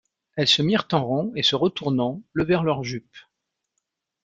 Elles se mirent en rang et, se retournant, levèrent leurs jupes.